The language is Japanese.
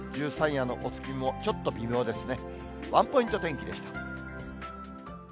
十三夜のお月見もちょっと微妙ですね。